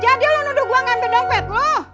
jadi lu nuduk gua ngampe dompet lu